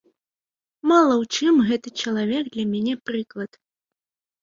Мала ў чым гэты чалавек для мяне прыклад.